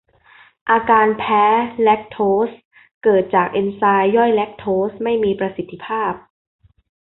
อาการแพ้แลคโทสเกิดจากเอนไซม์ย่อยแลคโทสไม่มีประสิทธิภาพ